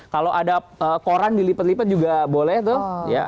kalau ada koran dilipat lipat juga boleh tuh